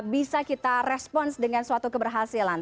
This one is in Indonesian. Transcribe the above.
bisa kita respons dengan suatu keberhasilan